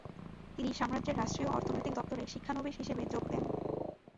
তিনি সাম্রাজ্যের রাষ্ট্রীয় অর্থনৈতিক দপ্তরে শিক্ষানবিশ হিসেবে যোগ দেন।